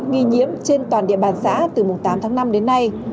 nghi nhiễm trên toàn địa bàn xã từ tám tháng năm đến nay